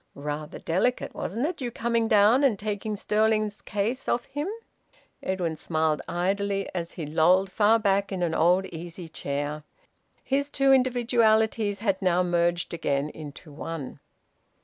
"Rather delicate, wasn't it, you coming down and taking Stirling's case off him?" Edwin smiled idly as he lolled far back in an old easy chair. His two individualities had now merged again into one.